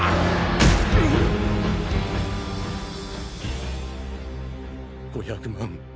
うっ５００万